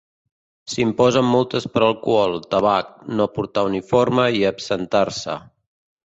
S'imposen multes per alcohol, tabac, no portar uniforme i absentar-se.